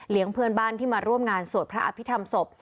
เพื่อนบ้านที่มาร่วมงานสวดพระอภิษฐรรมศพ